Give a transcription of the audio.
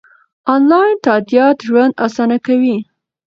انلاین تادیات ژوند اسانه کوي.